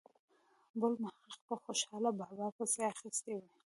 بل محقق په خوشال بابا پسې اخیستې وي.